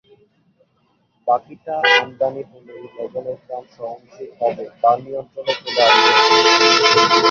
বাকিটা আমদানি হলেই লবণের দাম সহনশীল হবে বা নিয়ন্ত্রণে চলে আসবে।